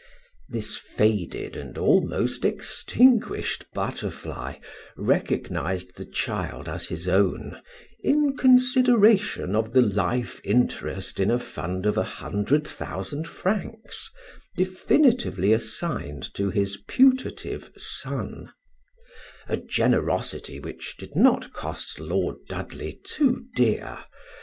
This faded and almost extinguished butterfly recognized the child as his own in consideration of the life interest in a fund of a hundred thousand francs definitively assigned to his putative son; a generosity which did not cost Lord Dudley too dear.